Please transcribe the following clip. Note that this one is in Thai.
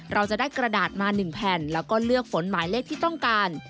เราจะได้กระดาษมา๑แผ่นแล้วก็เลือกฝนหมายเลขที่ต้องการ